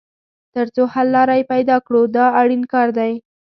تر څو حل لاره یې پیدا کړو دا اړین کار دی.